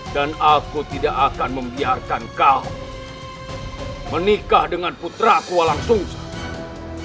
dan aku tidak akan membiarkan kau menikah dengan putramu walang sungsang